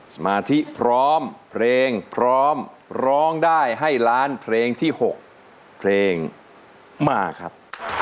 สมาธิพร้อมเพลงพร้อมร้องได้ให้ล้านเพลงที่๖เพลงมาครับ